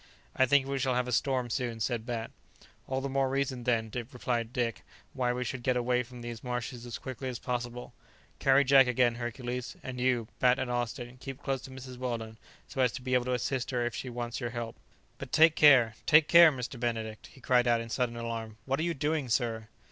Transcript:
"I think we shall have a storm soon," said Bat, "All the more reason, then," replied Dick, "why we should get away from these marshes as quickly as possible. Carry Jack again, Hercules; and you, Bat and Austin, keep close to Mrs. Weldon, so as to be able to assist her if she wants your help. But take care, take care, Mr. Benedict!" he cried out in sudden alarm; "what are you doing, sir?"